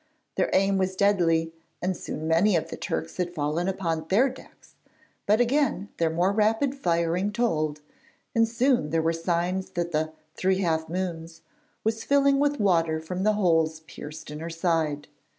Their aim was deadly and soon many of the Turks had fallen upon their decks, but again their more rapid firing told, and soon there were signs that the 'Three Half Moons' was filling with water from the holes pierced in her side.